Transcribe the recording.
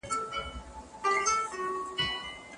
خیر محمد ته د عینومېنې ښکلا هیڅ ارزښت نه درلود.